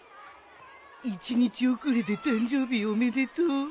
１日遅れで誕生日おめでとう。